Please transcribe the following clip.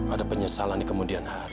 ada penyesalan di kemudian hari